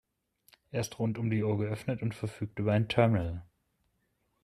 Er ist rund um die Uhr geöffnet und verfügt über ein Terminal.